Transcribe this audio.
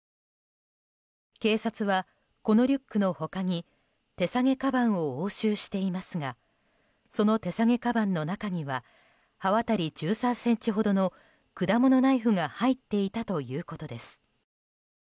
警察は、このリュックの他に手提げかばんを押収していますがその手提げかばんの中には刃渡り１３ｃｍほどの果物ナイフが入っていたということです。